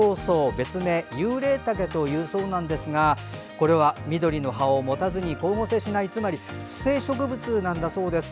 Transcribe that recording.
別名ユウレイタケというそうなんですが緑の葉を持たずに光合成をしないつまり腐生植物なんだそうです。